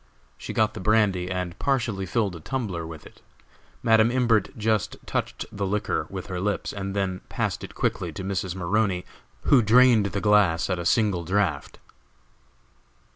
She got the brandy and partially filled a tumbler with it. Madam Imbert just touched the liquor with her lips, and then passed it back to Mrs. Maroney, who drained the glass at a single draught.